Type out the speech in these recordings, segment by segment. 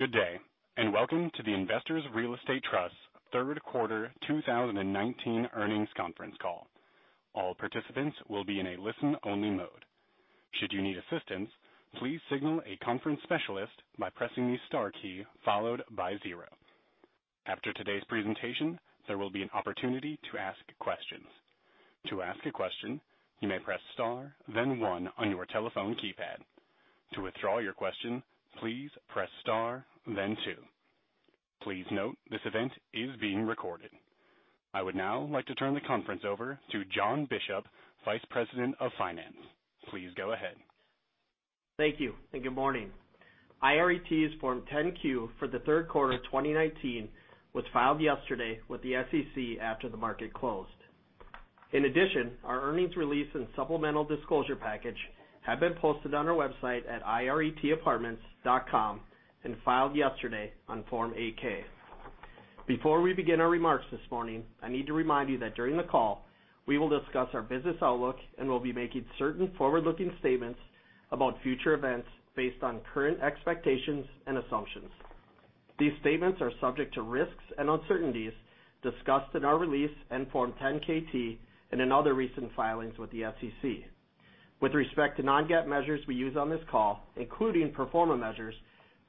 Good day, and welcome to the Investors Real Estate Trust third quarter 2019 earnings conference call. All participants will be in a listen-only mode. Should you need assistance, please signal a conference specialist by pressing the star key followed by zero. After today's presentation, there will be an opportunity to ask questions. To ask a question, you may press star, then one on your telephone keypad. To withdraw your question, please press star, then two. Please note, this event is being recorded. I would now like to turn the conference over to John Bishop, Vice President of Finance. Please go ahead. Thank you. Good morning. IRET's Form 10-Q for the third quarter 2019 was filed yesterday with the SEC after the market closed. In addition, our earnings release and supplemental disclosure package have been posted on our website at iretapartments.com and filed yesterday on Form 8-K. Before we begin our remarks this morning, I need to remind you that during the call, we will discuss our business outlook and will be making certain forward-looking statements about future events based on current expectations and assumptions. These statements are subject to risks and uncertainties discussed in our release in Form 10-KT and in other recent filings with the SEC. With respect to non-GAAP measures we use on this call, including pro forma measures,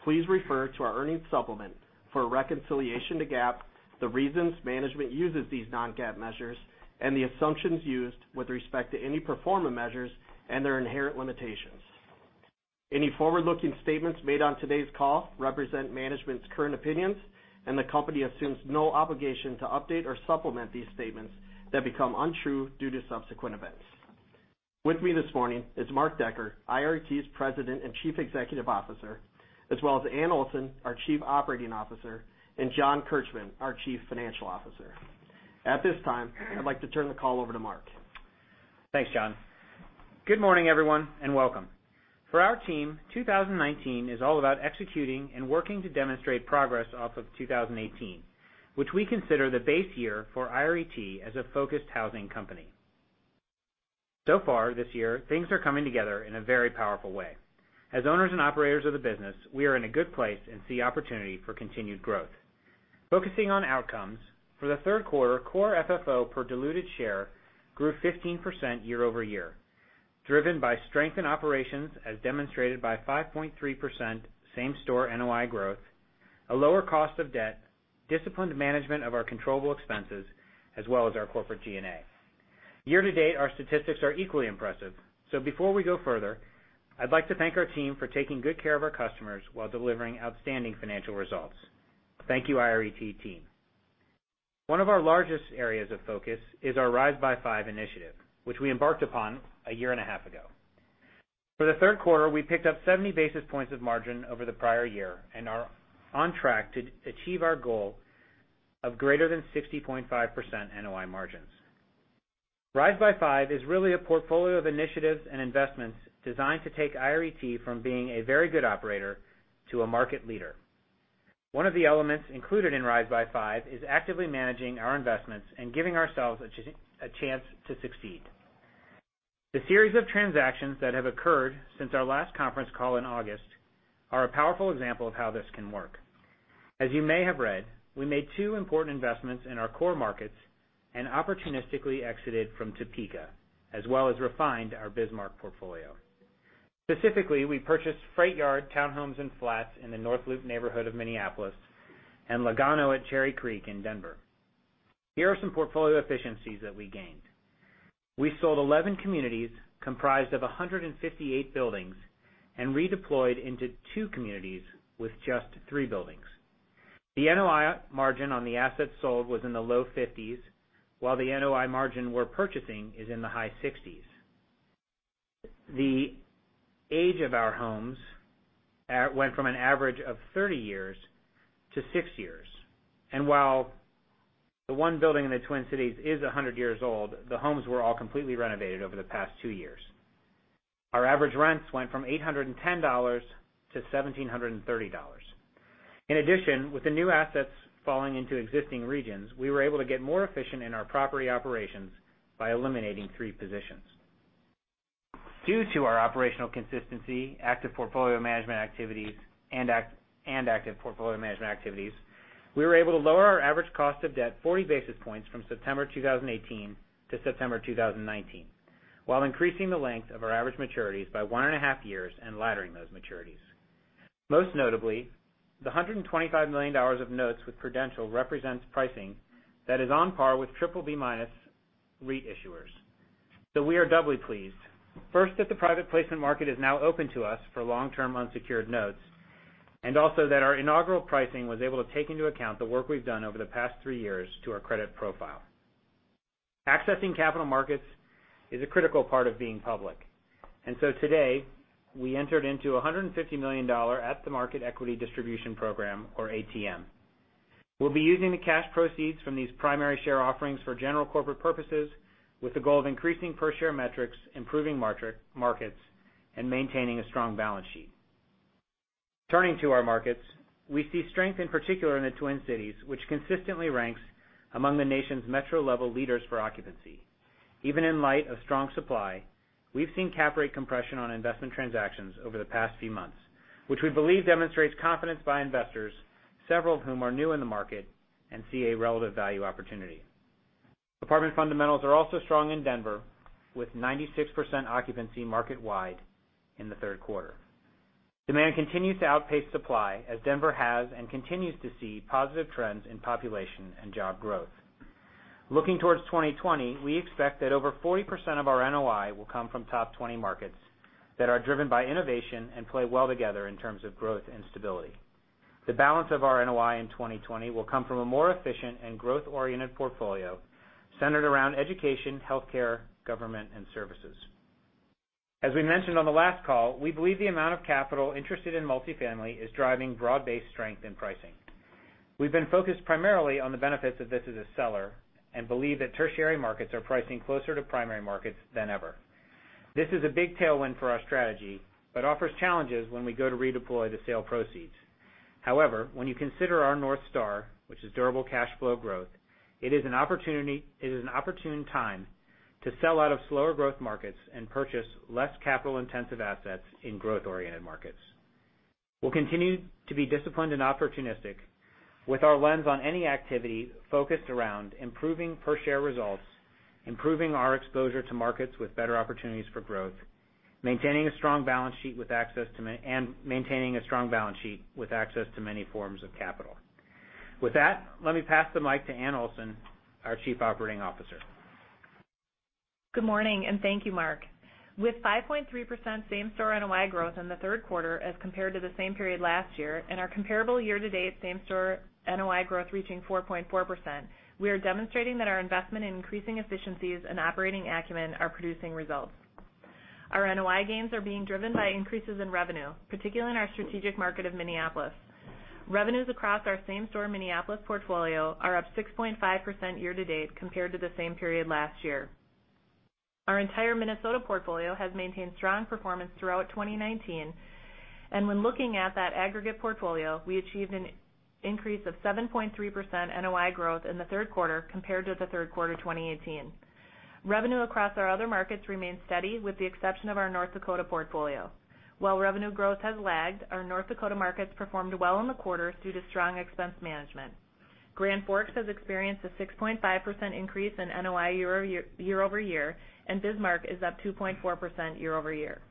please refer to our earnings supplement for a reconciliation to GAAP, the reasons management uses these non-GAAP measures, and the assumptions used with respect to any pro forma measures and their inherent limitations. The company assumes no obligation to update or supplement these statements that become untrue due to subsequent events. With me this morning is Mark Decker, IRET's President and Chief Executive Officer, as well as Anne Olson, our Chief Operating Officer, and John Kirchmann, our Chief Financial Officer. At this time, I'd like to turn the call over to Mark. Thanks, John. Good morning, everyone, and welcome. For our team, 2019 is all about executing and working to demonstrate progress off of 2018, which we consider the base year for IRET as a focused housing company. Far this year, things are coming together in a very powerful way. As owners and operators of the business, we are in a good place and see opportunity for continued growth. Focusing on outcomes, for the third quarter, core FFO per diluted share grew 15% year-over-year, driven by strength in operations, as demonstrated by 5.3% same-store NOI growth, a lower cost of debt, disciplined management of our controllable expenses, as well as our corporate G&A. Year-to-date, our statistics are equally impressive. Before we go further, I'd like to thank our team for taking good care of our customers while delivering outstanding financial results. Thank you, IRET team. One of our largest areas of focus is our Rise by Five initiative, which we embarked upon a year and a half ago. For the third quarter, we picked up 70 basis points of margin over the prior year and are on track to achieve our goal of greater than 60.5% NOI margins. Rise by Five is really a portfolio of initiatives and investments designed to take IRET from being a very good operator to a market leader. One of the elements included in Rise by Five is actively managing our investments and giving ourselves a chance to succeed. The series of transactions that have occurred since our last conference call in August are a powerful example of how this can work. As you may have read, we made two important investments in our core markets and opportunistically exited from Topeka, as well as refined our Bismarck portfolio. Specifically, we purchased Freight Yard Townhomes and Flats in the North Loop neighborhood of Minneapolis and Lugano at Cherry Creek in Denver. Here are some portfolio efficiencies that we gained. We sold 11 communities comprised of 158 buildings and redeployed into two communities with just three buildings. The NOI margin on the assets sold was in the low 50s, while the NOI margin we're purchasing is in the high 60s. The age of our homes went from an average of 30 years to six years, and while the one building in the Twin Cities is 100 years old, the homes were all completely renovated over the past two years. Our average rents went from $810 to $1,730. In addition, with the new assets falling into existing regions, we were able to get more efficient in our property operations by eliminating three positions. Due to our operational consistency, active portfolio management activities, we were able to lower our average cost of debt 40 basis points from September 2018 to September 2019, while increasing the length of our average maturities by one and a half years and laddering those maturities. Most notably, the $125 million of notes with Prudential represents pricing that is on par with BBB- REIT issuers. We are doubly pleased. First, that the private placement market is now open to us for long-term unsecured notes, and also that our inaugural pricing was able to take into account the work we've done over the past three years to our credit profile. Accessing capital markets is a critical part of being public. Today, we entered into $150 million at the market equity distribution program, or ATM. We'll be using the cash proceeds from these primary share offerings for general corporate purposes with the goal of increasing per-share metrics, improving markets, and maintaining a strong balance sheet. Turning to our markets, we see strength in particular in the Twin Cities, which consistently ranks among the nation's metro-level leaders for occupancy. Even in light of strong supply, we've seen cap rate compression on investment transactions over the past few months, which we believe demonstrates confidence by investors, several of whom are new in the market and see a relative value opportunity. Apartment fundamentals are also strong in Denver, with 96% occupancy market-wide in the third quarter. Demand continues to outpace supply, as Denver has and continues to see positive trends in population and job growth. Looking towards 2020, we expect that over 40% of our NOI will come from top 20 markets that are driven by innovation and play well together in terms of growth and stability. The balance of our NOI in 2020 will come from a more efficient and growth-oriented portfolio centered around education, healthcare, government, and services. As we mentioned on the last call, we believe the amount of capital interested in multifamily is driving broad-based strength in pricing. We've been focused primarily on the benefits of this as a seller and believe that tertiary markets are pricing closer to primary markets than ever. This is a big tailwind for our strategy, but offers challenges when we go to redeploy the sale proceeds. However, when you consider our North Star, which is durable cash flow growth, it is an opportune time to sell out of slower growth markets and purchase less capital-intensive assets in growth-oriented markets. We'll continue to be disciplined and opportunistic with our lens on any activity focused around improving per-share results, improving our exposure to markets with better opportunities for growth, maintaining a strong balance sheet with access to many forms of capital. With that, let me pass the mic to Anne Olson, our Chief Operating Officer. Good morning, thank you, Mark. With 5.3% same-store NOI growth in the third quarter as compared to the same period last year and our comparable year-to-date same-store NOI growth reaching 4.4%, we are demonstrating that our investment in increasing efficiencies and operating acumen are producing results. Our NOI gains are being driven by increases in revenue, particularly in our strategic market of Minneapolis. Revenues across our same-store Minneapolis portfolio are up 6.5% year-to-date compared to the same period last year. Our entire Minnesota portfolio has maintained strong performance throughout 2019, when looking at that aggregate portfolio, we achieved an increase of 7.3% NOI growth in the third quarter compared to the third quarter 2018. Revenue across our other markets remains steady with the exception of our North Dakota portfolio. While revenue growth has lagged, our North Dakota markets performed well in the quarter due to strong expense management. Grand Forks has experienced a 6.5% increase in NOI year-over-year, and Bismarck is up 2.4% year-over-year.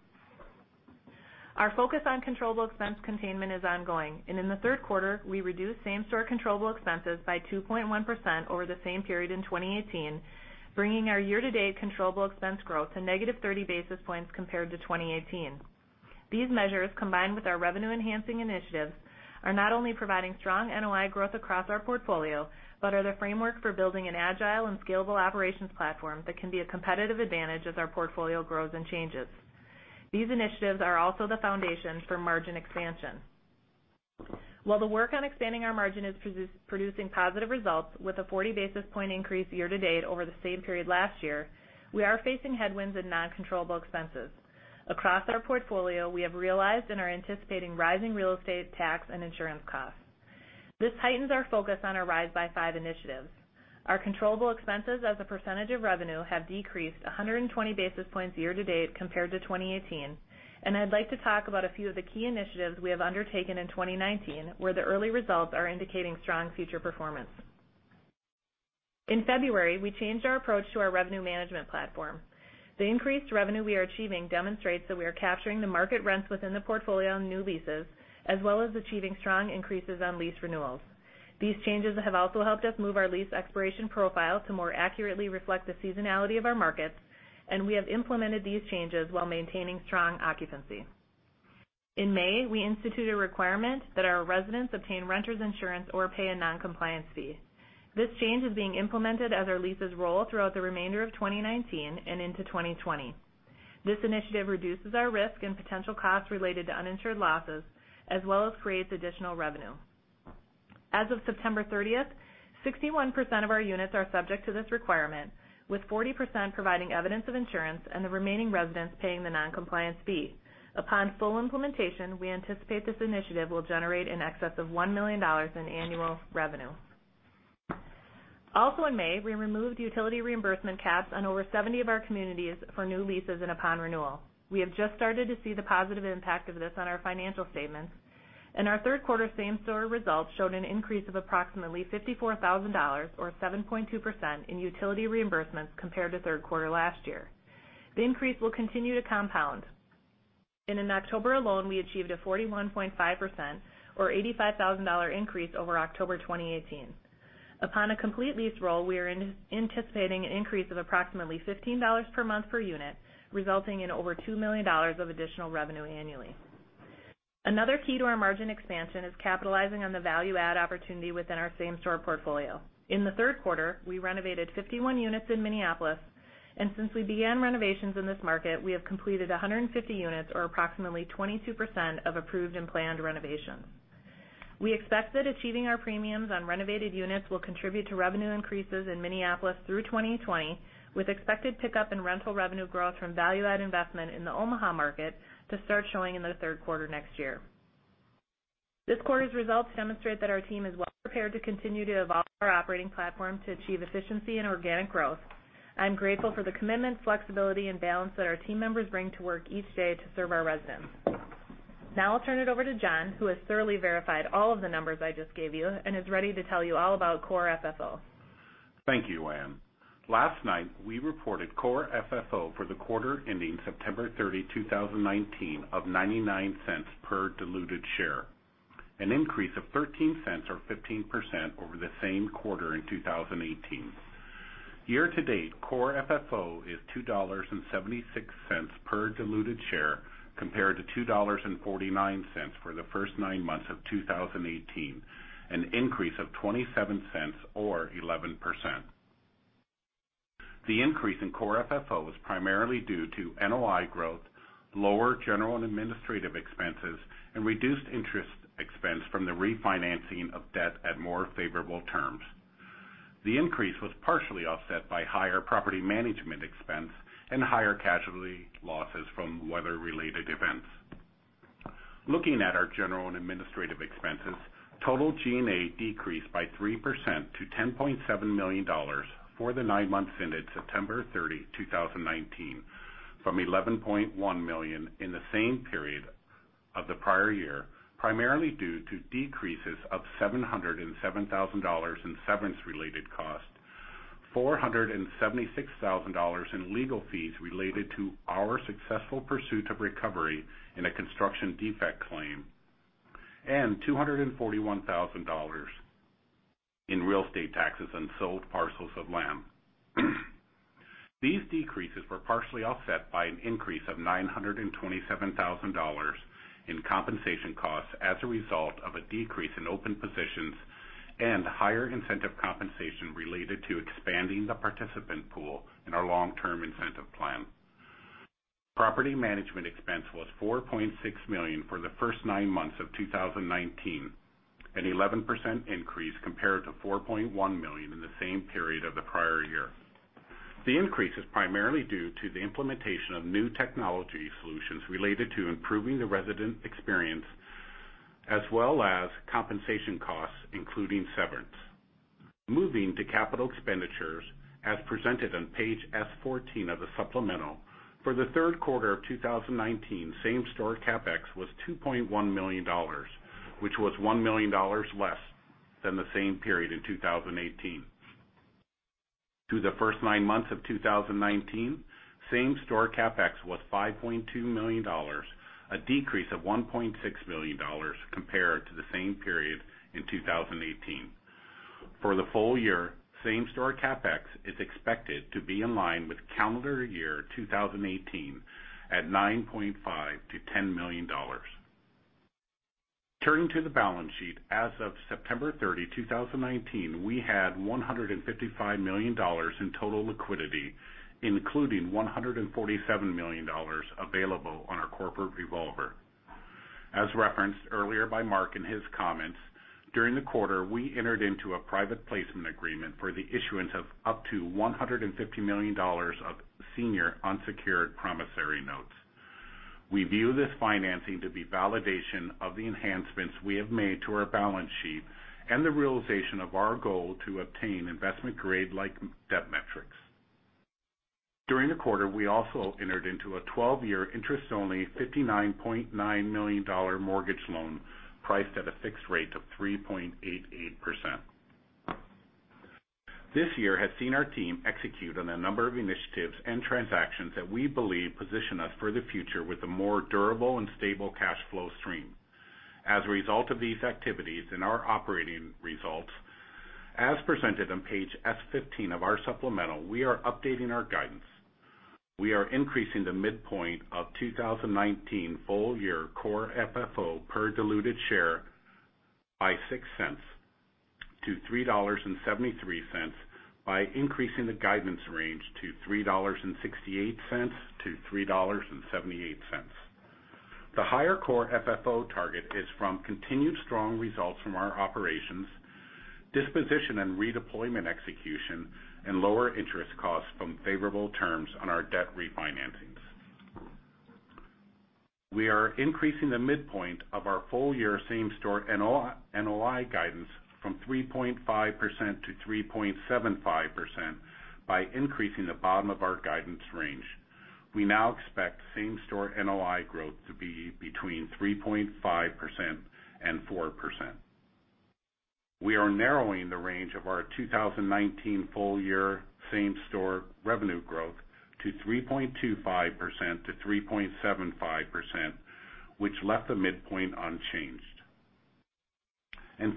Our focus on controllable expense containment is ongoing, and in the third quarter, we reduced same-store controllable expenses by 2.1% over the same period in 2018, bringing our year-to-date controllable expense growth to negative 30 basis points compared to 2018. These measures, combined with our revenue-enhancing initiatives, are not only providing strong NOI growth across our portfolio, but are the framework for building an agile and scalable operations platform that can be a competitive advantage as our portfolio grows and changes. These initiatives are also the foundation for margin expansion. While the work on expanding our margin is producing positive results with a 40 basis points increase year to date over the same period last year, we are facing headwinds in non-controllable expenses. Across our portfolio, we have realized and are anticipating rising real estate tax and insurance costs. This heightens our focus on our Rise by Five initiatives. Our controllable expenses as a percentage of revenue have decreased 120 basis points year to date compared to 2018, and I'd like to talk about a few of the key initiatives we have undertaken in 2019, where the early results are indicating strong future performance. In February, we changed our approach to our revenue management platform. The increased revenue we are achieving demonstrates that we are capturing the market rents within the portfolio on new leases, as well as achieving strong increases on lease renewals. These changes have also helped us move our lease expiration profile to more accurately reflect the seasonality of our markets, and we have implemented these changes while maintaining strong occupancy. In May, we instituted a requirement that our residents obtain renters insurance or pay a non-compliance fee. This change is being implemented as our leases roll throughout the remainder of 2019 and into 2020. This initiative reduces our risk and potential costs related to uninsured losses, as well as creates additional revenue. As of September 30th, 61% of our units are subject to this requirement, with 40% providing evidence of insurance and the remaining residents paying the non-compliance fee. Upon full implementation, we anticipate this initiative will generate in excess of $1 million in annual revenue. In May, we removed utility reimbursement caps on over 70 of our communities for new leases and upon renewal. We have just started to see the positive impact of this on our financial statements, and our third quarter same-store results showed an increase of approximately $54,000, or 7.2%, in utility reimbursements compared to third quarter last year. The increase will continue to compound, and in October alone, we achieved a 41.5%, or $85,000, increase over October 2018. Upon a complete lease roll, we are anticipating an increase of approximately $15 per month per unit, resulting in over $2 million of additional revenue annually. Another key to our margin expansion is capitalizing on the value add opportunity within our same-store portfolio. In the third quarter, we renovated 51 units in Minneapolis, and since we began renovations in this market, we have completed 150 units, or approximately 22%, of approved and planned renovations. We expect that achieving our premiums on renovated units will contribute to revenue increases in Minneapolis through 2020, with expected pickup in rental revenue growth from value add investment in the Omaha market to start showing in the third quarter next year. This quarter's results demonstrate that our team is well-prepared to continue to evolve our operating platform to achieve efficiency and organic growth. I'm grateful for the commitment, flexibility, and balance that our team members bring to work each day to serve our residents. I'll turn it over to John, who has thoroughly verified all of the numbers I just gave you and is ready to tell you all about core FFO. Thank you, Anne. Last night, we reported core FFO for the quarter ending September 30, 2019, of $0.99 per diluted share, an increase of $0.13 or 15% over the same quarter in 2018. Year-to-date, core FFO is $2.76 per diluted share, compared to $2.49 for the first nine months of 2018, an increase of $0.27 or 11%. The increase in core FFO is primarily due to NOI growth, lower general and administrative expenses, and reduced interest expense from the refinancing of debt at more favorable terms. The increase was partially offset by higher property management expense and higher casualty losses from weather-related events. Looking at our general and administrative expenses, total G&A decreased by 3% to $10.7 million for the nine months ended September 30, 2019, from $11.1 million in the same period of the prior year, primarily due to decreases of $707,000 in severance-related costs, $476,000 in legal fees related to our successful pursuit of recovery in a construction defect claim, and $241,000 in real estate taxes on sold parcels of land. These decreases were partially offset by an increase of $927,000 in compensation costs as a result of a decrease in open positions and higher incentive compensation related to expanding the participant pool in our long-term incentive plan. Property management expense was $4.6 million for the first nine months of 2019, an 11% increase compared to $4.1 million in the same period of the prior year. The increase is primarily due to the implementation of new technology solutions related to improving the resident experience as well as compensation costs, including severance. Moving to capital expenditures as presented on page S-14 of the supplemental, for the third quarter of 2019, same-store CapEx was $2.1 million, which was $1 million less than the same period in 2018. Through the first nine months of 2019, same-store CapEx was $5.2 million, a decrease of $1.6 million compared to the same period in 2018. For the full year, same-store CapEx is expected to be in line with calendar year 2018 at $9.5 million-$10 million. Turning to the balance sheet, as of September 30, 2019, we had $155 million in total liquidity, including $147 million available on our corporate revolver. As referenced earlier by Mark in his comments, during the quarter, we entered into a private placement agreement for the issuance of up to $150 million of senior unsecured promissory notes. We view this financing to be validation of the enhancements we have made to our balance sheet and the realization of our goal to obtain investment-grade-like debt metrics. During the quarter, we also entered into a 12-year interest-only $59.9 million mortgage loan priced at a fixed rate of 3.88%. This year has seen our team execute on a number of initiatives and transactions that we believe position us for the future with a more durable and stable cash flow stream. As a result of these activities in our operating results, as presented on page S-15 of our supplemental, we are updating our guidance. We are increasing the midpoint of 2019 full-year core FFO per diluted share by $0.06 to $3.73 by increasing the guidance range to $3.68-$3.78. The higher core FFO target is from continued strong results from our operations, disposition and redeployment execution, and lower interest costs from favorable terms on our debt refinancing. We are increasing the midpoint of our full-year same-store NOI guidance from 3.5% to 3.75% by increasing the bottom of our guidance range. We now expect same-store NOI growth to be between 3.5% and 4%. We are narrowing the range of our 2019 full-year same-store revenue growth to 3.25%-3.75%, which left the midpoint unchanged.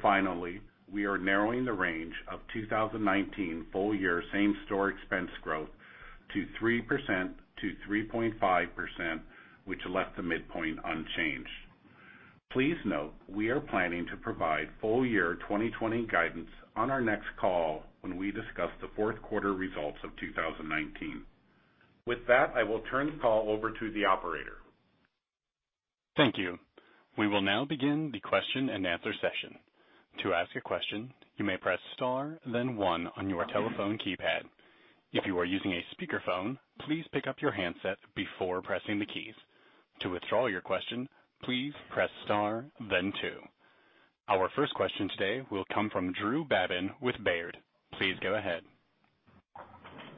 Finally, we are narrowing the range of 2019 full-year same-store expense growth to 3%-3.5%, which left the midpoint unchanged. Please note, we are planning to provide full-year 2020 guidance on our next call when we discuss the fourth quarter results of 2019. With that, I will turn the call over to the operator. Thank you. We will now begin the question-and-answer session. To ask a question, you may press star then one on your telephone keypad. If you are using a speakerphone, please pick up your handset before pressing the keys. To withdraw your question, please press star then two. Our first question today will come from Drew Babin with Baird. Please go ahead.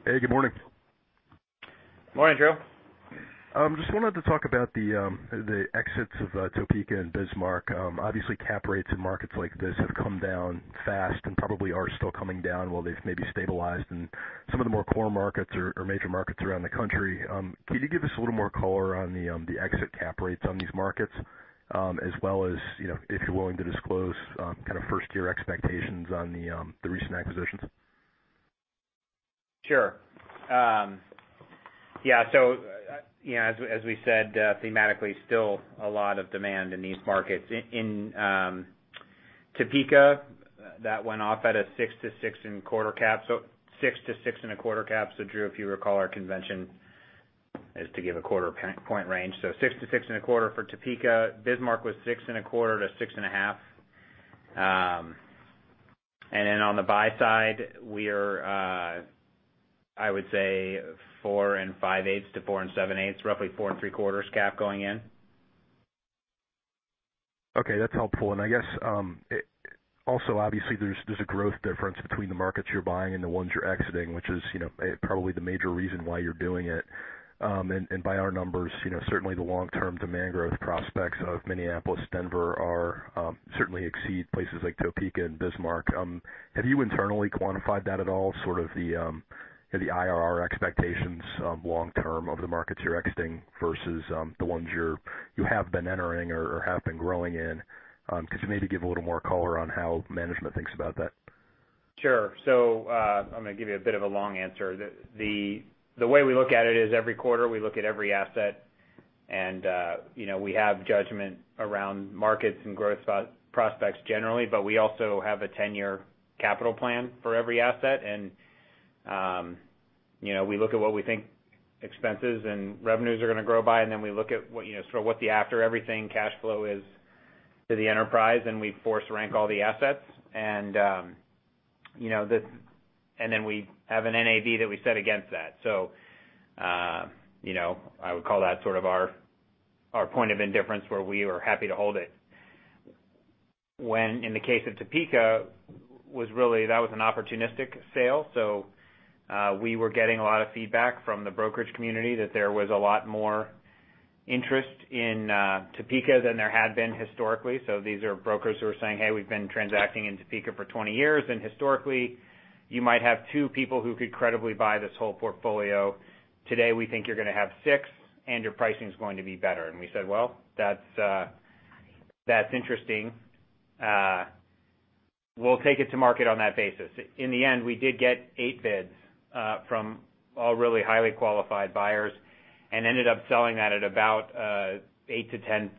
Hey, good morning. Morning, Drew. Just wanted to talk about the exits of Topeka and Bismarck. Obviously, cap rates in markets like this have come down fast and probably are still coming down while they've maybe stabilized in some of the more core markets or major markets around the country. Could you give us a little more color on the exit cap rates on these markets? As well as, if you're willing to disclose, first-year expectations on the recent acquisitions. Sure. Yeah. As we said, thematically, still a lot of demand in these markets. In Topeka, that went off at a 6%-6.25% cap. Drew, if you recall our convention is to give a quarter point range. 6%-6.25% for Topeka. Bismarck was 6.25%-6.50%. On the buy side, we are, I would say, 4.625%-4.875%, roughly 4.75% cap going in. Okay, that's helpful. I guess, also, obviously, there's a growth difference between the markets you're buying and the ones you're exiting, which is probably the major reason why you're doing it. By our numbers, certainly the long-term demand growth prospects of Minneapolis, Denver certainly exceed places like Topeka and Bismarck. Have you internally quantified that at all? Sort of the IRR expectations long-term of the markets you're exiting versus the ones you have been entering or have been growing in? Could you maybe give a little more color on how management thinks about that? Sure. I'm going to give you a bit of a long answer. The way we look at it is every quarter, we look at every asset and we have judgment around markets and growth prospects generally, but we also have a 10-year capital plan for every asset. We look at what we think expenses and revenues are going to grow by, and then we look at what the after everything cashflow is to the enterprise and we force rank all the assets. Then we have a NAV that we set against that. I would call that sort of our point of indifference where we were happy to hold it. When in the case of Topeka, that was an opportunistic sale. We were getting a lot of feedback from the brokerage community that there was a lot more interest in Topeka than there had been historically. These are brokers who are saying, "Hey, we've been transacting in Topeka for 20 years, and historically you might have two people who could credibly buy this whole portfolio. Today we think you're going to have six and your pricing's going to be better." We said, "Well, that's interesting. We'll take it to market on that basis." In the end, we did get eight bids from all really highly qualified buyers and ended up selling that at about 8%-10%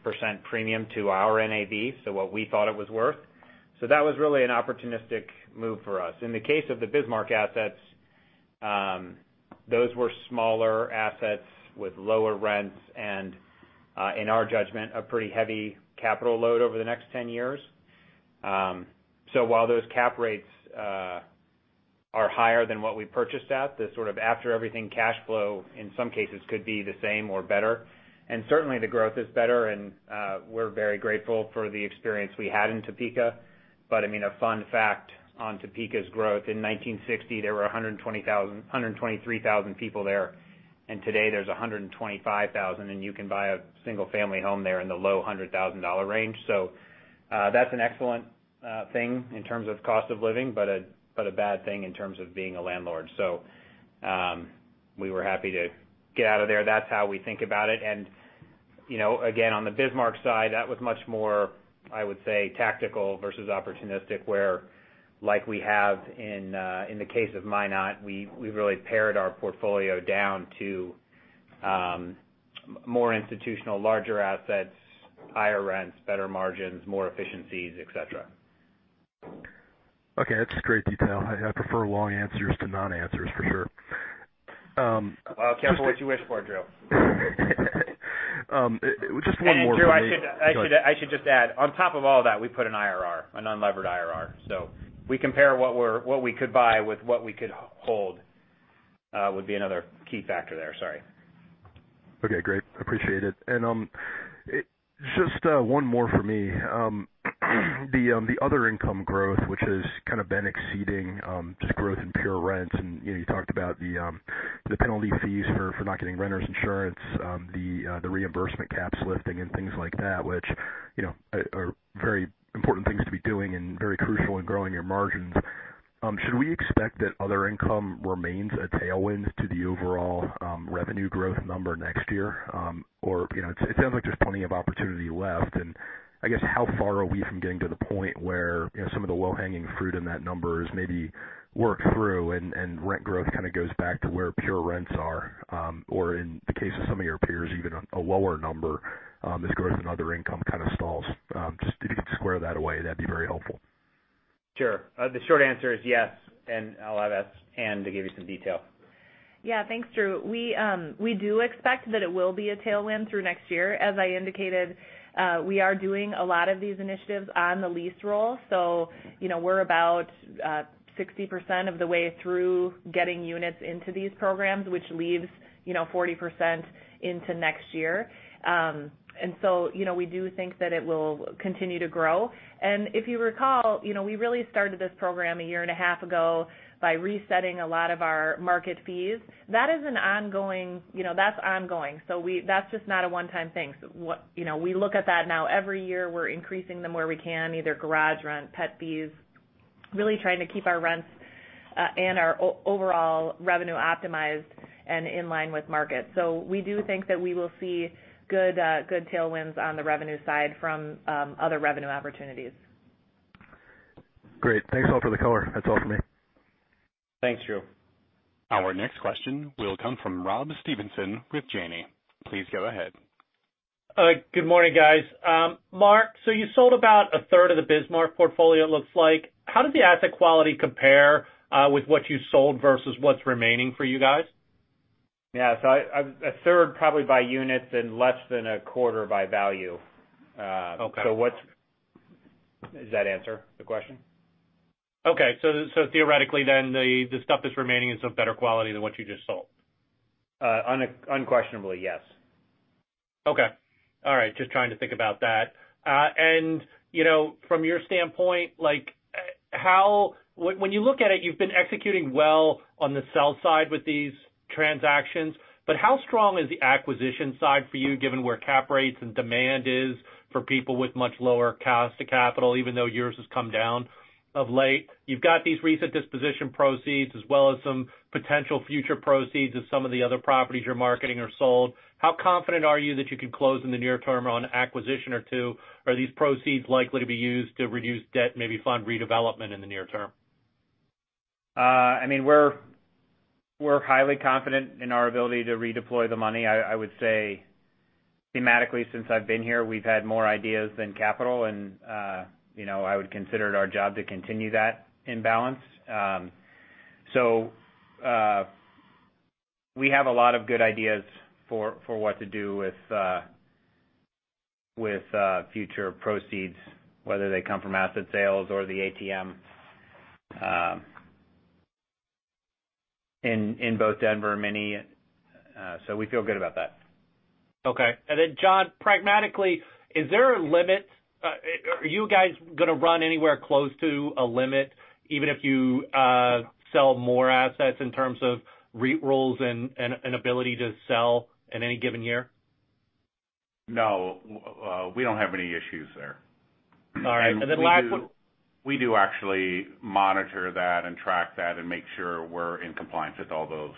premium to our NAV, so what we thought it was worth. That was really an opportunistic move for us. In the case of the Bismarck assets, those were smaller assets with lower rents and, in our judgment, a pretty heavy capital load over the next 10 years. While those cap rates are higher than what we purchased at, the sort of after everything cash flow in some cases could be the same or better. Certainly the growth is better and we're very grateful for the experience we had in Topeka. A fun fact on Topeka's growth, in 1960, there were 123,000 people there, and today there's 125,000, and you can buy a single-family home there in the low $100,000 range. That's an excellent thing in terms of cost of living, but a bad thing in terms of being a landlord. We were happy to get out of there. That's how we think about it. Again, on the Bismarck side, that was much more, I would say, tactical versus opportunistic, where like we have in the case of Minot, we really pared our portfolio down to more institutional larger assets, higher rents, better margins, more efficiencies, et cetera. Okay. That's great detail. I prefer long answers to non-answers for sure. Well, careful what you wish for, Drew. Just one more for me. Drew, I should just add, on top of all that, we put an IRR, an unlevered IRR. We compare what we could buy with what we could hold, would be another key factor there. Sorry. Okay, great. Appreciate it. Just one more for me. The other income growth, which has kind of been exceeding just growth in pure rents, and you talked about the penalty fees for not getting renters insurance, the reimbursement caps lifting and things like that, which are very important things to be doing and very crucial in growing your margins. Should we expect that other income remains a tailwind to the overall revenue growth number next year? It sounds like there's plenty of opportunity left, and I guess how far are we from getting to the point where some of the low-hanging fruit in that number is maybe worked through and rent growth kind of goes back to where pure rents are? In the case of some of your peers, even a lower number as growth and other income kind of stalls. Just if you could square that away, that'd be very helpful. Sure. The short answer is yes, and I'll ask Anne to give you some detail. Yeah. Thanks, Drew. We do expect that it will be a tailwind through next year. As I indicated, we are doing a lot of these initiatives on the lease roll. We're about 60% of the way through getting units into these programs, which leaves 40% into next year. We do think that it will continue to grow. If you recall, we really started this program a year and a half ago by resetting a lot of our market fees. That's ongoing. That's just not a one-time thing. We look at that now every year, we're increasing them where we can, either garage rent, pet fees, really trying to keep our rents and our overall revenue optimized and in line with market. We do think that we will see good tailwinds on the revenue side from other revenue opportunities. Great. Thanks, all, for the color. That's all for me. Thanks, Drew. Our next question will come from Rob Stevenson with Janney. Please go ahead. Good morning, guys. Mark, you sold about a third of the Bismarck portfolio, it looks like. How did the asset quality compare with what you sold versus what's remaining for you guys? Yeah. a third probably by units and less than a quarter by value. Okay. Does that answer the question? Okay. Theoretically, the stuff that's remaining is of better quality than what you just sold? Unquestionably, yes. Okay. All right. Just trying to think about that. From your standpoint, when you look at it, you've been executing well on the sell side with these transactions, but how strong is the acquisition side for you, given where cap rates and demand is for people with much lower cost to capital, even though yours has come down of late? You've got these recent disposition proceeds as well as some potential future proceeds as some of the other properties you're marketing are sold. How confident are you that you can close in the near term on an acquisition or two? Are these proceeds likely to be used to reduce debt, maybe fund redevelopment in the near term? We're highly confident in our ability to redeploy the money. I would say thematically, since I've been here, we've had more ideas than capital, and I would consider it our job to continue that imbalance. We have a lot of good ideas for what to do with future proceeds, whether they come from asset sales or the ATM in both Denver and Minneapolis. We feel good about that. Okay. John, pragmatically, is there a limit? Are you guys gonna run anywhere close to a limit, even if you sell more assets in terms of REIT rules and ability to sell in any given year? No. We don't have any issues there. All right. Then last one. We do actually monitor that and track that and make sure we're in compliance with all those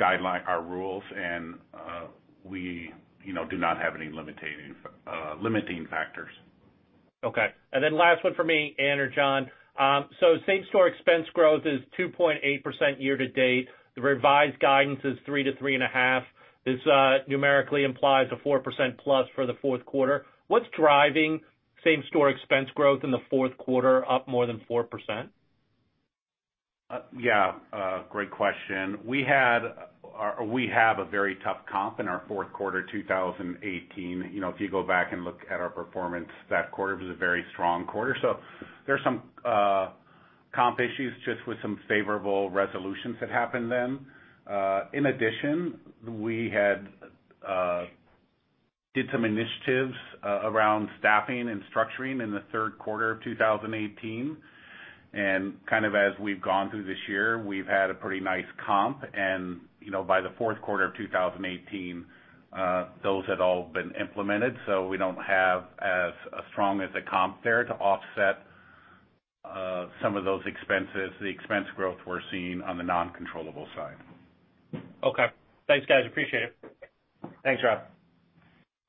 guidelines, our rules, and we do not have any limiting factors. Okay. Last one from me, Anne or John. Same-store expense growth is 2.8% year to date. The revised guidance is 3% to 3.5%. This numerically implies a 4% plus for the fourth quarter. What's driving same-store expense growth in the fourth quarter up more than 4%? Yeah. Great question. We have a very tough comp in our fourth quarter 2018. If you go back and look at our performance, that quarter was a very strong quarter. There's some comp issues just with some favorable resolutions that happened then. In addition, we did some initiatives around staffing and structuring in the third quarter of 2018, and kind of as we've gone through this year, we've had a pretty nice comp. By the fourth quarter of 2018, those had all been implemented, so we don't have as strong as a comp there to offset some of those expenses, the expense growth we're seeing on the non-controllable side. Okay. Thanks, guys. Appreciate it. Thanks, Rob.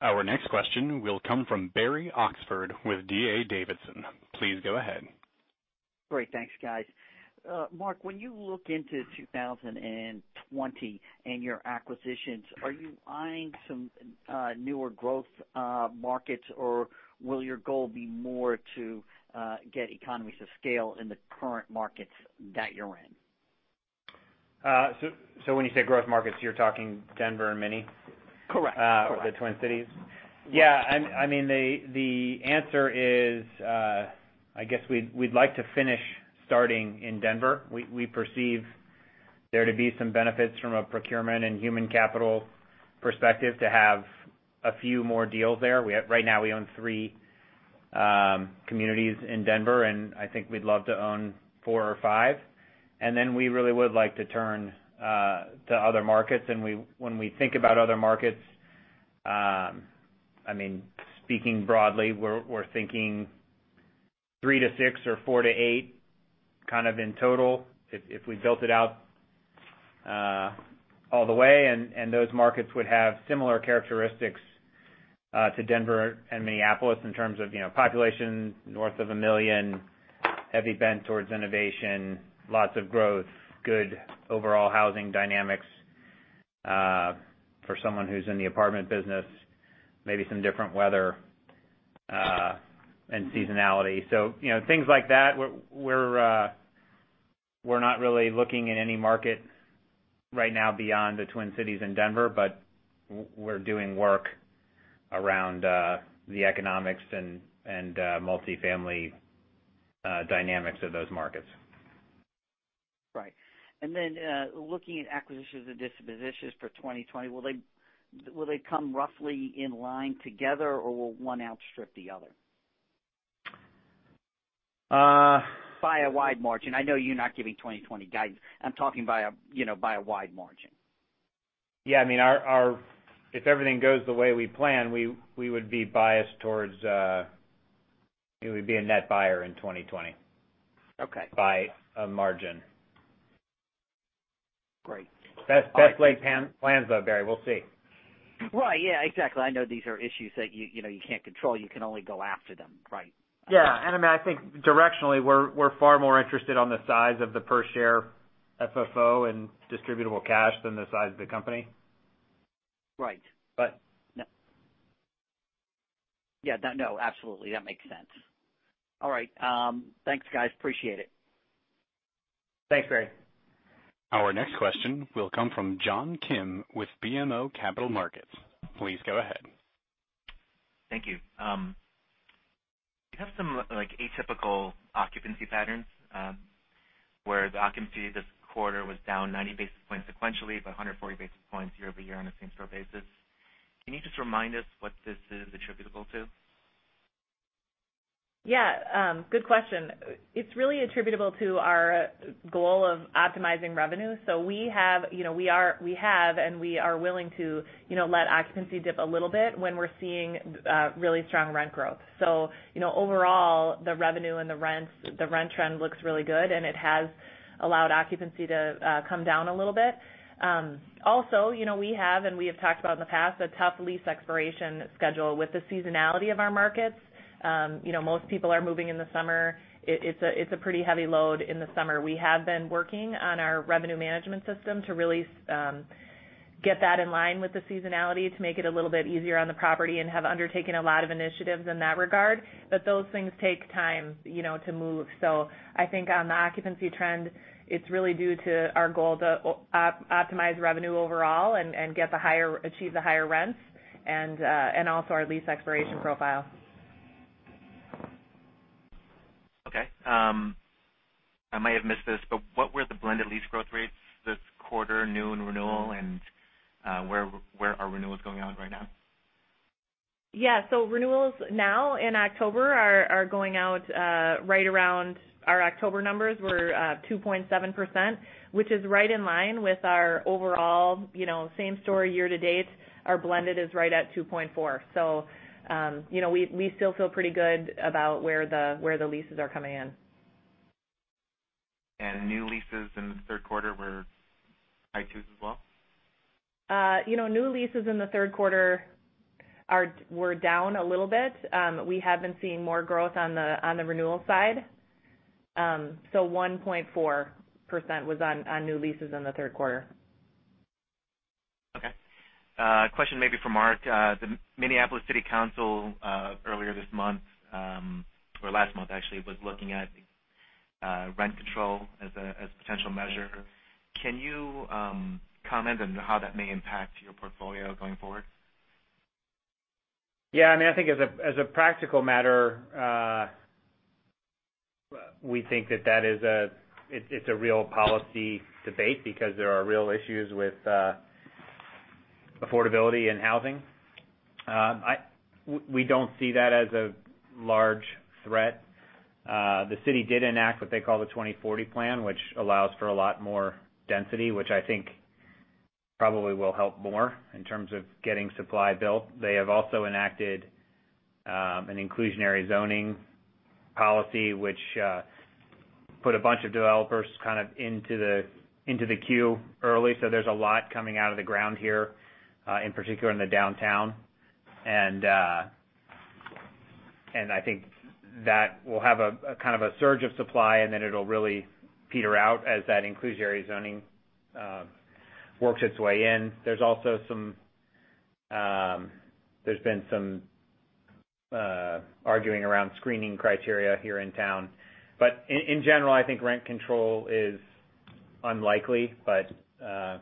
Our next question will come from Barry Oxford with D.A. Davidson. Please go ahead. Great. Thanks, guys. Mark, when you look into 2020 and your acquisitions, are you eyeing some newer growth markets, or will your goal be more to get economies of scale in the current markets that you're in? When you say growth markets, you're talking Denver and Minneapolis? Correct. Or the Twin Cities? Yeah. The answer is I guess we'd like to finish starting in Denver. We perceive there to be some benefits from a procurement and human capital perspective to have a few more deals there. Right now, we own three communities in Denver, and I think we'd love to own four or five. Then we really would like to turn to other markets. When we think about other markets, speaking broadly, we're thinking three to six or four to eight kind of in total if we built it out all the way, and those markets would have similar characteristics to Denver and Minneapolis in terms of population north of 1 million, heavy bent towards innovation, lots of growth, good overall housing dynamics for someone who's in the apartment business, maybe some different weather Seasonality. Things like that, we're not really looking at any market right now beyond the Twin Cities and Denver, but we're doing work around the economics and multifamily dynamics of those markets. Right. Then, looking at acquisitions and dispositions for 2020, will they come roughly in line together, or will one outstrip the other? Uh- By a wide margin. I know you're not giving 2020 guidance. I'm talking by a wide margin. Yeah. If everything goes the way we plan, We'd be a net buyer in 2020. Okay. By a margin. Great. Best laid plans though, Barry. We'll see. Right. Yeah, exactly. I know these are issues that you can't control. You can only go after them. Right. Yeah. I think directionally, we're far more interested on the size of the per share FFO and distributable cash than the size of the company. Right. But- Yeah. No, absolutely. That makes sense. All right. Thanks, guys. Appreciate it. Thanks, Barry. Our next question will come from John Kim with BMO Capital Markets. Please go ahead. Thank you. You have some atypical occupancy patterns, where the occupancy this quarter was down 90 basis points sequentially, but 140 basis points year-over-year on a same-store basis. Can you just remind us what this is attributable to? Yeah, good question. It's really attributable to our goal of optimizing revenue. We have, and we are willing to let occupancy dip a little bit when we're seeing really strong rent growth. Overall, the revenue and the rent trend looks really good, and it has allowed occupancy to come down a little bit. Also, we have, and we have talked about in the past, a tough lease expiration schedule with the seasonality of our markets. Most people are moving in the summer. It's a pretty heavy load in the summer. We have been working on our revenue management system to really get that in line with the seasonality to make it a little bit easier on the property and have undertaken a lot of initiatives in that regard. Those things take time to move. I think on the occupancy trend, it's really due to our goal to optimize revenue overall and achieve the higher rents and also our lease expiration profile. Okay. I might have missed this, but what were the blended lease growth rates this quarter, new and renewal, and where are renewals going out right now? Yeah. Renewals now in October are going out right around our October numbers were 2.7%, which is right in line with our overall same-store year to date. Our blended is right at 2.4%. We still feel pretty good about where the leases are coming in. New leases in the third quarter were high twos as well? New leases in the third quarter were down a little bit. We have been seeing more growth on the renewal side. 1.4% was on new leases in the third quarter. Okay. A question maybe for Mark. The Minneapolis City Council, earlier this month, or last month, actually, was looking at rent control as a potential measure. Can you comment on how that may impact your portfolio going forward? Yeah. I think as a practical matter, we think that it's a real policy debate because there are real issues with affordability in housing. We don't see that as a large threat. The city did enact what they call the Minneapolis 2040, which allows for a lot more density, which I think probably will help more in terms of getting supply built. They have also enacted an inclusionary zoning policy, which put a bunch of developers into the queue early. There's a lot coming out of the ground here, in particular in the downtown. I think that will have a kind of a surge of supply, then it'll really peter out as that inclusionary zoning works its way in. There's been some arguing around screening criteria here in town. In general, I think rent control is unlikely. I'm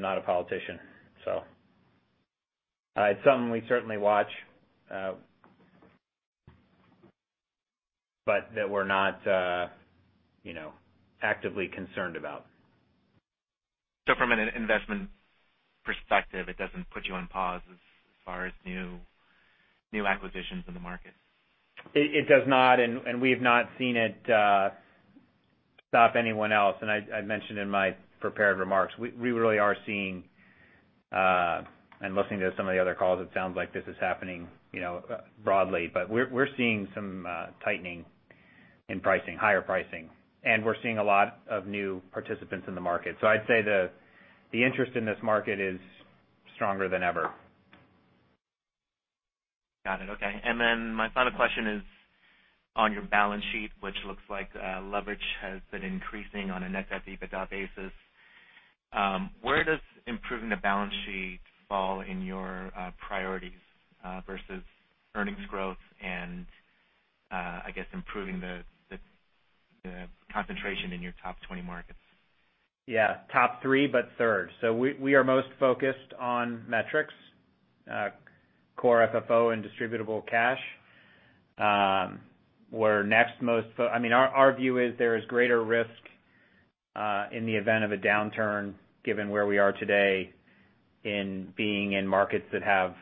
not a politician, so it's something we certainly watch, but that we're not actively concerned about. From an investment perspective, it doesn't put you on pause as far as new acquisitions in the market. It does not. We have not seen it stop anyone else. I mentioned in my prepared remarks, we really are seeing and listening to some of the other calls, it sounds like this is happening broadly. We're seeing some tightening in pricing, higher pricing. We're seeing a lot of new participants in the market. I'd say the interest in this market is stronger than ever. Got it. Okay. My final question is on your balance sheet, which looks like leverage has been increasing on a net debt to EBITDA basis. Where does improving the balance sheet fall in your priorities versus earnings growth and, I guess, improving the concentration in your top 20 markets? Yeah. Top three, but third. We are most focused on metrics, core FFO and distributable cash. Our view is there is greater risk in the event of a downturn, given where we are today in being in markets that have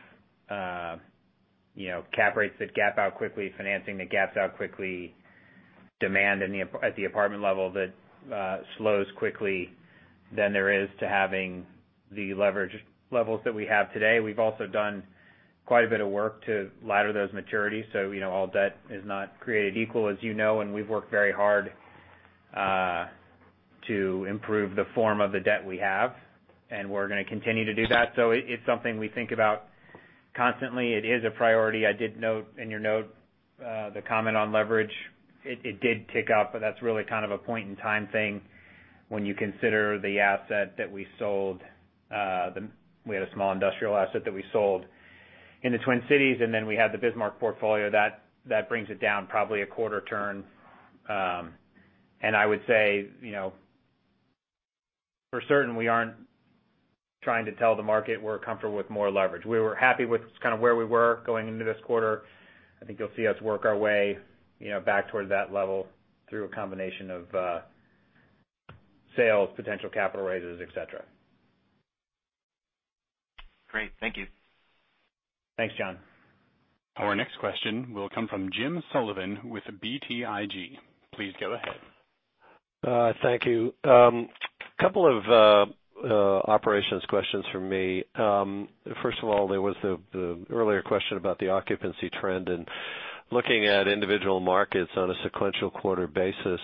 cap rates that gap out quickly, financing that gaps out quickly, demand at the apartment level that slows quickly than there is to having the leverage levels that we have today. We've also done quite a bit of work to ladder those maturities. All debt is not created equal as you know, and we've worked very hard to improve the form of the debt we have, and we're going to continue to do that. It's something we think about constantly. It is a priority. I did note in your note, the comment on leverage. It did tick up, that's really kind of a point in time thing when you consider the asset that we sold. We had a small industrial asset that we sold in the Twin Cities, and then we had the Bismarck portfolio. That brings it down probably a quarter turn. I would say, for certain, we aren't trying to tell the market we're comfortable with more leverage. We were happy with kind of where we were going into this quarter. I think you'll see us work our way back toward that level through a combination of sales, potential capital raises, et cetera. Great. Thank you. Thanks, John. Our next question will come from James Sullivan with BTIG. Please go ahead. Thank you. Couple of operations questions from me. First of all, there was the earlier question about the occupancy trend and looking at individual markets on a sequential quarter basis,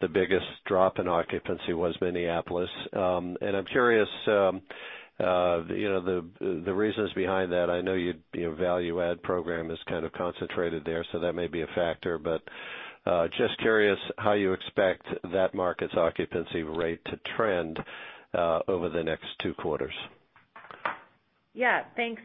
the biggest drop in occupancy was Minneapolis. I'm curious, the reasons behind that. I know your value add program is kind of concentrated there, so that may be a factor, but just curious how you expect that market's occupancy rate to trend over the next two quarters. Yeah. Thanks.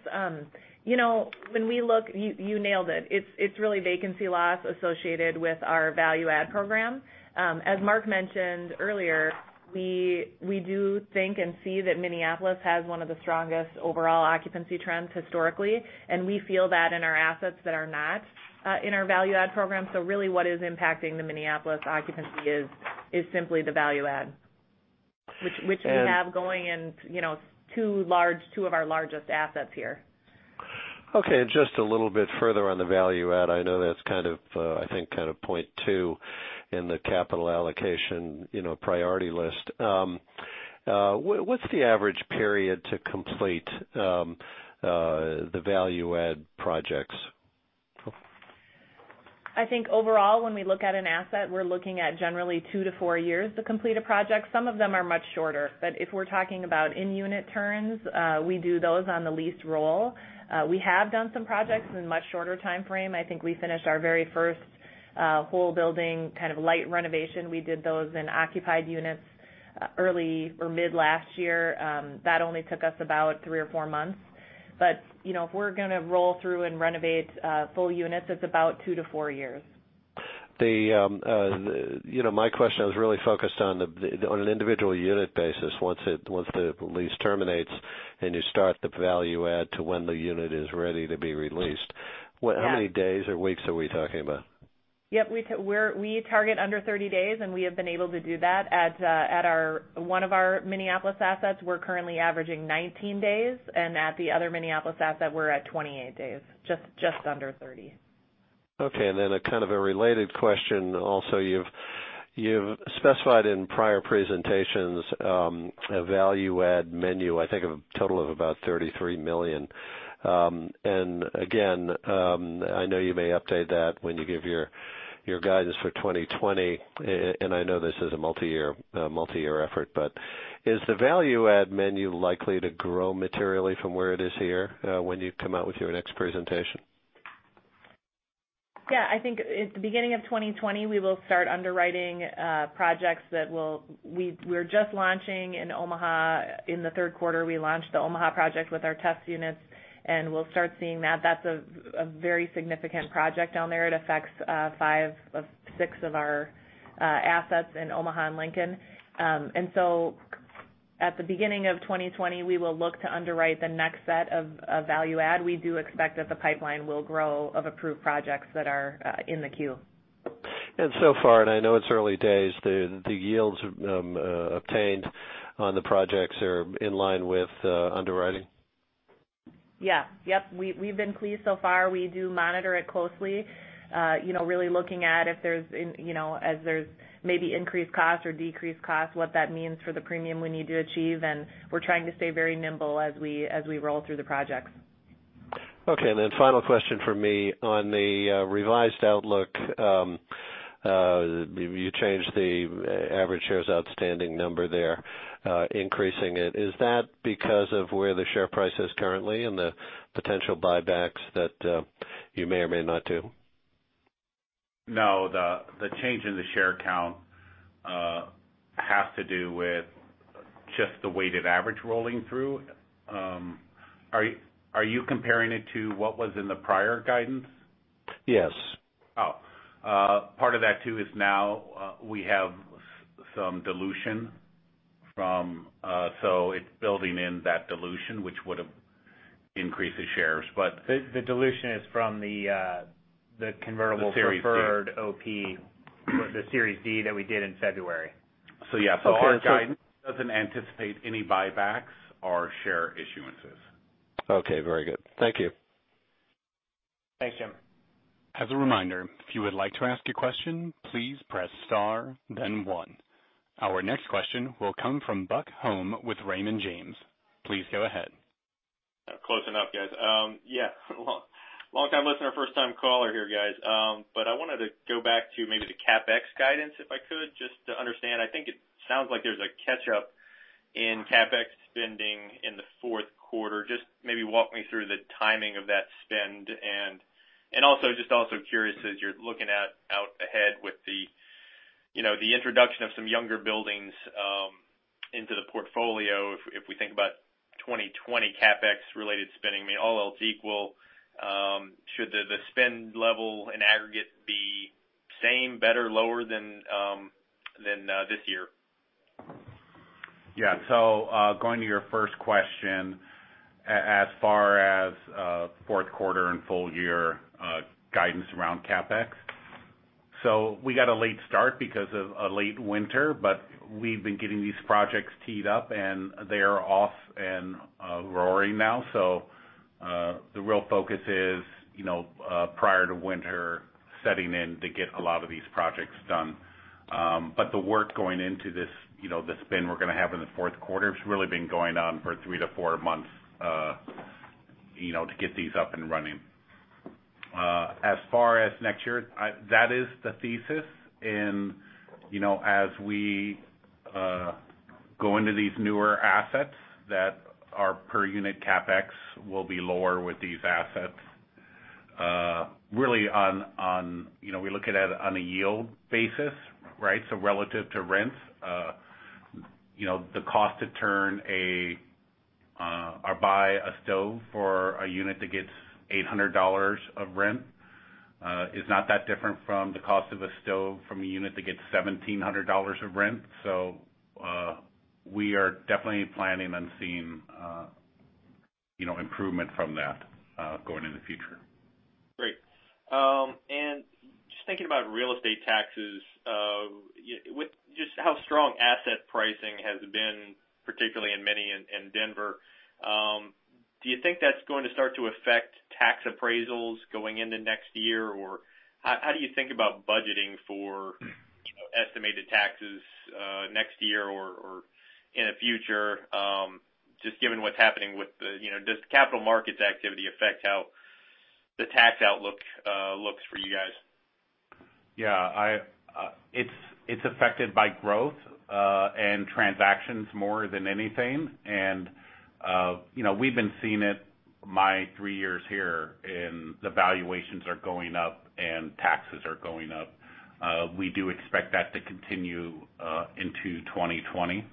You nailed it. It's really vacancy loss associated with our value add program. As Mark mentioned earlier, we do think and see that Minneapolis has one of the strongest overall occupancy trends historically, and we feel that in our assets that are not in our value add program. Really what is impacting the Minneapolis occupancy is simply the value add, which we have going in two of our largest assets here. Okay. Just a little bit further on the value add. I know that's kind of, I think, kind of point 2 in the capital allocation priority list. What's the average period to complete the value add projects? I think overall, when we look at an asset, we're looking at generally two to four years to complete a project. Some of them are much shorter, but if we're talking about in-unit turns, we do those on the lease roll. We have done some projects in a much shorter timeframe. I think we finished our very first whole building kind of light renovation. We did those in occupied units early or mid last year. That only took us about three or four months. But if we're going to roll through and renovate full units, it's about two to four years. My question was really focused on an individual unit basis. Once the lease terminates and you start the value add to when the unit is ready to be released. Yeah. how many days or weeks are we talking about? Yep. We target under 30 days, and we have been able to do that at one of our Minneapolis assets. We're currently averaging 19 days, and at the other Minneapolis asset, we're at 28 days, just under 30. Okay. A kind of a related question also. You've specified in prior presentations a value add menu, I think of a total of about $33 million. Again, I know you may update that when you give your guidance for 2020, and I know this is a multi-year effort, but is the value add menu likely to grow materially from where it is here when you come out with your next presentation? Yeah, I think at the beginning of 2020, we will start underwriting projects that we're just launching in Omaha. In the third quarter, we launched the Omaha project with our test units, and we'll start seeing that. That's a very significant project down there. It affects 5 of 6 of our assets in Omaha and Lincoln. At the beginning of 2020, we will look to underwrite the next set of value add. We do expect that the pipeline will grow of approved projects that are in the queue. So far, and I know it's early days, the yields obtained on the projects are in line with underwriting? Yeah. We've been pleased so far. We do monitor it closely, really looking at if there's maybe increased cost or decreased cost, what that means for the premium we need to achieve. We're trying to stay very nimble as we roll through the projects. Final question from me. On the revised outlook, you changed the average shares outstanding number there, increasing it. Is that because of where the share price is currently and the potential buybacks that you may or may not do? No, the change in the share count has to do with just the weighted average rolling through. Are you comparing it to what was in the prior guidance? Yes. Oh. Part of that too is now we have some dilution, so it's building in that dilution, which would increase the shares. The dilution is from the convertible. The Series B. preferred OP, the Series B that we did in February. Our guidance doesn't anticipate any buybacks or share issuances. Okay. Very good. Thank you. Thanks, Jim. As a reminder, if you would like to ask a question, please press star then one. Our next question will come from Buck Horne with Raymond James. Please go ahead. Close enough, guys. Yeah. Long time listener, first time caller here, guys. I wanted to go back to maybe the CapEx guidance if I could, just to understand. I think it sounds like there's a catch-up in CapEx spending in the fourth quarter. Just maybe walk me through the timing of that spend and also just curious as you're looking out ahead with the introduction of some younger buildings into the portfolio, if we think about 2020 CapEx-related spending, all else equal, should the spend level in aggregate be same, better, lower than this year? Yeah. Going to your first question, as far as fourth quarter and full year guidance around CapEx. We got a late start because of a late winter, but we've been getting these projects teed up and they are off and roaring now. The real focus is, prior to winter setting in to get a lot of these projects done. The work going into the spend we're going to have in the fourth quarter has really been going on for three to four months, to get these up and running. As far as next year, that is the thesis in as we go into these newer assets that our per-unit CapEx will be lower with these assets. Really, we look at it on a yield basis, right? Relative to rents, the cost to turn a, or buy a stove for a unit that gets $800 of rent, is not that different from the cost of a stove from a unit that gets $1,700 of rent. We are definitely planning on seeing improvement from that going in the future. Great. Just thinking about real estate taxes, with just how strong asset pricing has been, particularly in Minneapolis and Denver, do you think that's going to start to affect tax appraisals going into next year? How do you think about budgeting for estimated taxes, next year or in the future? Does capital markets activity affect how the tax outlook looks for you guys? Yeah. It's affected by growth, transactions more than anything. We've been seeing it my three years here, and the valuations are going up and taxes are going up. We do expect that to continue into 2020.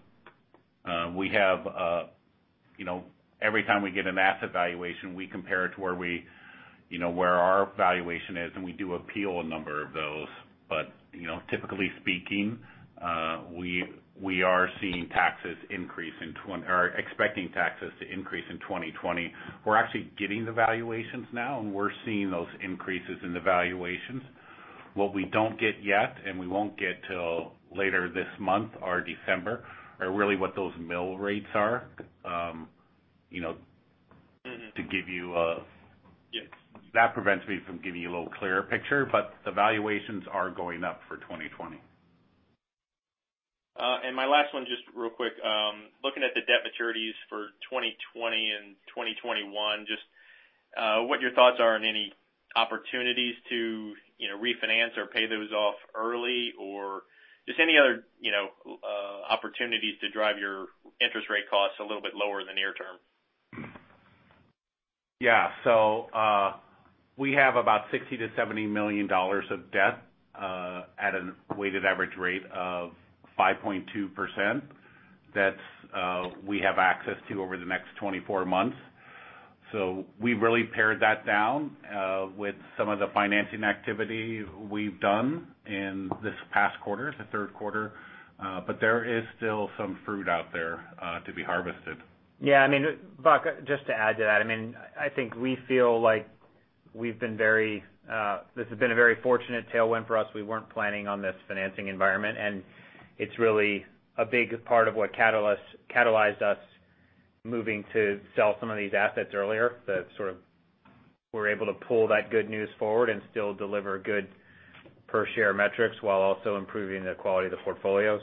Every time we get an asset valuation, we compare it to where our valuation is, and we do appeal a number of those. Typically speaking, we are seeing taxes increase, or expecting taxes to increase in 2020. We're actually getting the valuations now, and we're seeing those increases in the valuations. What we don't get yet, and we won't get till later this month or December, are really what those mill rates are. to give you. Yes that prevents me from giving you a little clearer picture, but the valuations are going up for 2020. My last one, just real quick. Looking at the debt maturities for 2020 and 2021, just what your thoughts are on any opportunities to refinance or pay those off early, or just any other opportunities to drive your interest rate costs a little bit lower in the near term? Yeah. We have about $60 million-$70 million of debt at a weighted average rate of 5.2% that we have access to over the next 24 months. We've really pared that down with some of the financing activity we've done in this past quarter, the third quarter. There is still some fruit out there to be harvested. Buck, just to add to that, I think we feel like this has been a very fortunate tailwind for us. We weren't planning on this financing environment, and it's really a big part of what catalyzed us moving to sell some of these assets earlier, that sort of we're able to pull that good news forward and still deliver good per-share metrics while also improving the quality of the portfolio.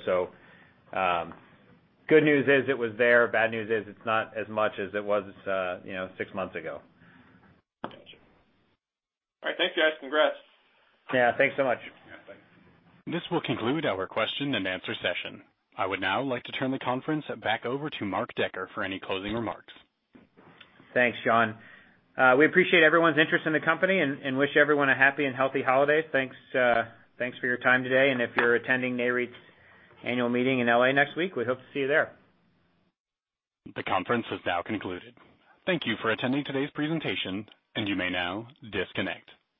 Good news is it was there, bad news is it's not as much as it was six months ago. Gotcha. All right. Thanks, guys. Congrats. Yeah. Thanks so much. Yeah. Thanks. This will conclude our question and answer session. I would now like to turn the conference back over to Mark Decker for any closing remarks. Thanks, John. We appreciate everyone's interest in the company and wish everyone a happy and healthy holiday. Thanks for your time today. If you're attending Nareit's annual meeting in L.A. next week, we hope to see you there. The conference has now concluded. Thank you for attending today's presentation. You may now disconnect.